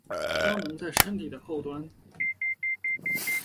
肛门在身体的后端。